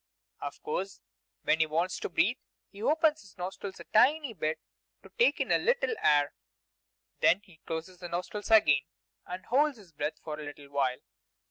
Of course, when he wants to breathe, he opens his nostrils a tiny bit to take in a little air; then he closes the nostrils again, and holds his breath for a little while.